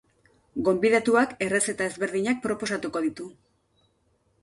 Gonbidatuak errezeta ezberdinak proposatuko ditu.